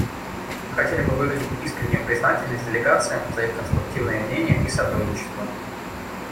Мы хотели бы выразить искреннюю признательность делегациям за их конструктивные мнения и сотрудничество.